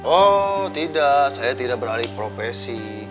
oh tidak saya tidak beralih profesi